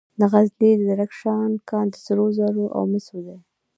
د غزني د زرکشان کان د سرو زرو او مسو دی.